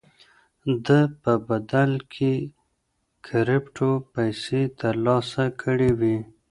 ده په بدل کې کرېپټو پيسې ترلاسه کړې وې.